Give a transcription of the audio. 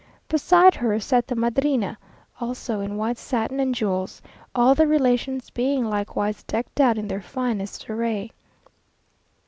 Beside her sat the Madrina, also in white satin and jewels; all the relations being likewise decked out in their finest array.